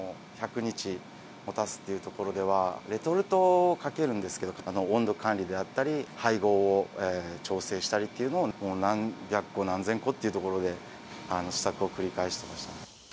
持たすっていうところでは、レトルトをかけるんですけど、温度管理であったり、配合を調整したりっていうのを、何百個何千個というところで、試作を繰り返してました。